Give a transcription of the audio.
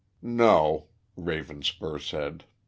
"No," Ravenspur said.